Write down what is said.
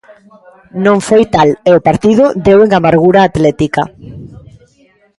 Non foi tal e o partido deu en amargura atlética.